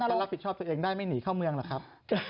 ก็รับผิดชอบตัวเองได้ไม่หนีเข้าเมืองหรอกครับ